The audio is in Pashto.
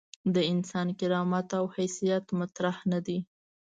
د انسان کرامت او حیثیت مطرح نه دي.